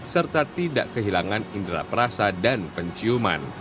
serta tidak kehilangan indera perasa dan penciuman